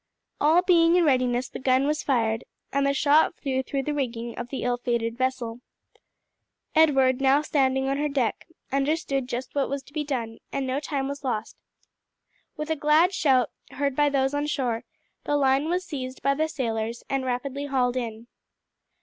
All being in readiness the gun was fired, and the shot flew through the rigging of the ill fated vessel. Edward, now standing on her deck, understood just what was to be done, and no time was lost. With a glad shout, heard by those on shore, the line was seized by the sailors and rapidly hauled in.